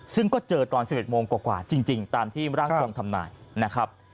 ซึ่งก็เจอตอน๑๑โมงกว่าจริงตามที่ร่างทรงทำนายนะครับ